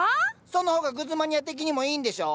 その方がグズマニア的にもいいんでしょ？